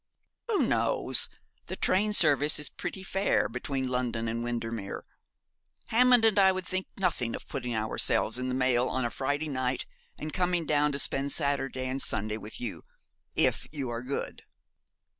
'Who knows? the train service is pretty fair between London and Windermere. Hammond and I would think nothing of putting ourselves in the mail on a Friday night, and coming down to spend Saturday and Sunday with you if you are good.'